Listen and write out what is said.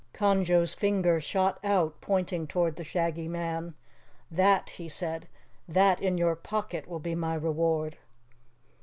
Conjo's finger shot out, pointing toward the Shaggy Man. "That," he said. "That in your pocket will be my reward!"